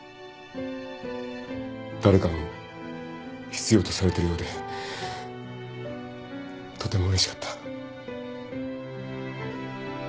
誰かに必要とされてるようでとてもうれしかった。